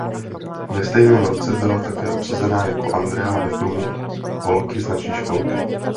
Ve stejném roce byla také obsazena jako Andrea ve filmu Holky z naší školky..